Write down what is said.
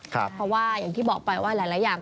เพราะว่าอย่างที่บอกไปว่าหลายอย่าง